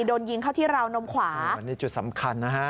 โดนยิงเข้าที่ราวนมขวาอันนี้จุดสำคัญนะฮะ